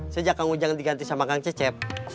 sejak kang ujang diganti sama kang cecep